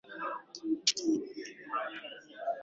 mwinuko katika serengeti una urefu wa mita mia tisa